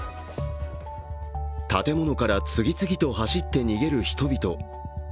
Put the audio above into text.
建物から次々と走って逃げる人々。